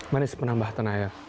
manis penambah tenaga